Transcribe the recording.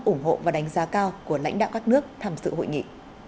ủng hộ và đánh giá cao của lãnh đạo các nước tham dự hội nghị